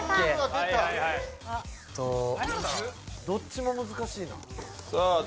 どっちも難しいな。